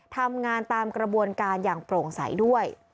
ทำงานตามกระบวนการอย่างโปร่งใสด้วย